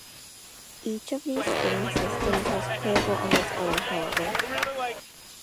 Each of these game systems was playable on its own, however.